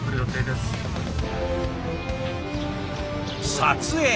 撮影。